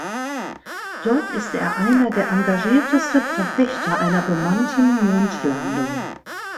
Dort ist er einer der engagiertesten Verfechter einer bemannten Mondlandung.